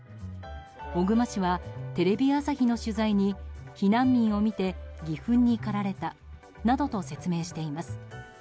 小熊氏はテレビ朝日の取材に避難民を見て義憤に駆られたなどと説明しています。